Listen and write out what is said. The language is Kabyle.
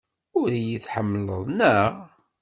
Ur iyi-tḥemmleḍ, naɣ?